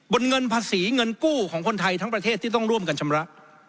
เงินภาษีเงินกู้ของคนไทยทั้งประเทศที่ต้องร่วมกันชำระ